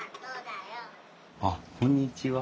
あっこんにちは。